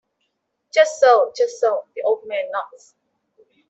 "Just so, just so," the old man nods.